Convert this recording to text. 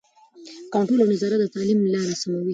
کنټرول او نظارت د تعلیم لاره سموي.